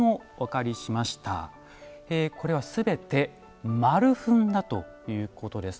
これは全て丸粉だということです。